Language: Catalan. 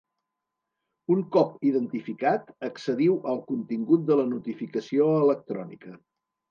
Un cop identificat, accediu al contingut de la notificació electrònica.